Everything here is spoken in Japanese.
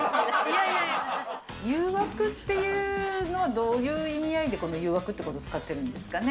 誘惑っていうのは、どういう意味合いでこの誘惑ってことを使ってるんですかね？